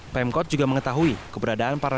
pemkot juga mengetahui keberadaan para